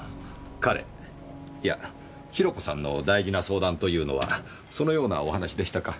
彼いやヒロコさんの大事な相談というのはそのようなお話でしたか。